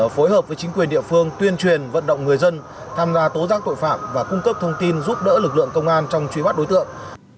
phối hợp với chính quyền địa phương tuyên truyền vận động người dân tham gia tố giác tội phạm và cung cấp thông tin giúp đỡ lực lượng công an trong truy bắt đối tượng